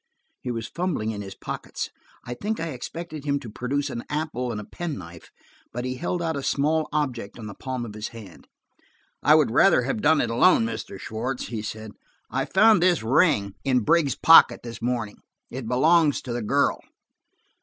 He was fumbling in his pockets. I think I expected him to produce an apple and a penknife, but he held out a small object on the palm of his hand. "I would rather have done it alone, Mr. Schwartz," he said. "I found this ring in Brigg's pocket this morning. It belongs to the girl."